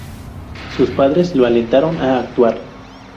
Sus padres lo alentaron a actuar.